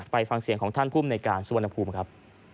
ไปฟังเสียงของท่านผู้บริการสวนภูมิครับ